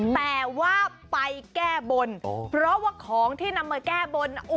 แต่ว่าไปแก้บนเพราะว่าของที่นำมาแก้บน